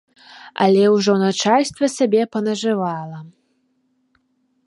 Але ж ужо начальства сабе панажывала!